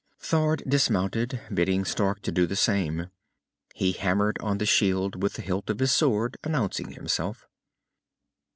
Thord dismounted, bidding Stark to do the same. He hammered on the shield with the hilt of his sword, announcing himself.